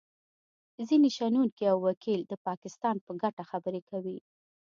ځینې شنونکي او وکیل د پاکستان په ګټه خبرې کوي